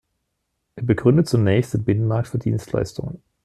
Er begründet zunächst den Binnenmarkt für Dienstleistungen.